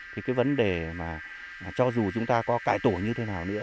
thì cái vấn đề mà cho dù chúng ta có cải tổ như thế nào nữa